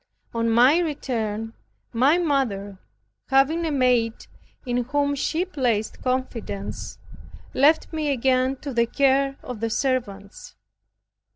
On my return, my mother having a maid in whom she placed confidence, left me again to the care of servants.